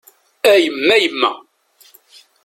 A yemma yemma!